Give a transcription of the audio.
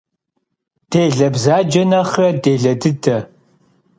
Dêle bzace nexhre dêle dıde.